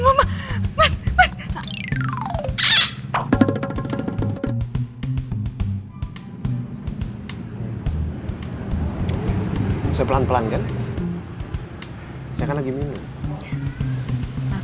mama pergi dulu ya